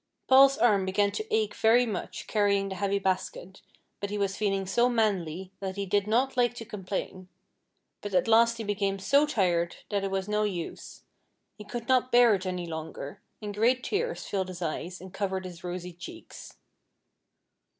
Paul's arm began to ache very much, carrying the heavy basket, but he was feeling so manly, that he did not like to complain; but at last he became so tired, that it was no use he could not bear it any longer, and great tears filled his eyes and covered his rosy cheeks.